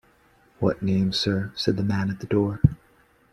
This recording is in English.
‘What names, sir?’ said the man at the door.